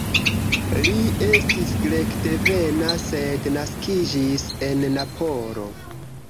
Li estis grekdevena, sed naskiĝis en Napolo.